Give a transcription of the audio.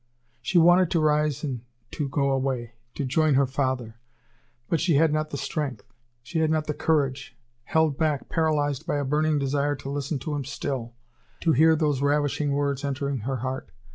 She wanted to rise and to go away, to join her father, but she had not the strength; she had not the courage, held back, paralyzed by a burning desire to listen to him still, to hear those ravishing words entering her heart.